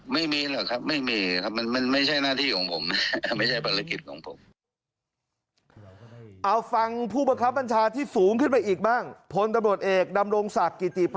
ไม่มีหรอกครับไม่มีครับมันไม่ใช่หน้าที่ของผมไม่ใช่ภารกิจของผม